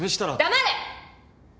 黙れ！